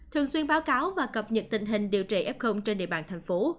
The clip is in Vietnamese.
thường xuyên báo cáo và cập nhật tình hình điều trị f trên địa bàn thành phố